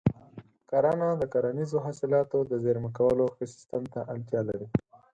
کرنه د کرنیزو حاصلاتو د زېرمه کولو ښه سیستم ته اړتیا لري.